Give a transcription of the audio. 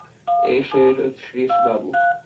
এসো এসো শ্রীশবাবু!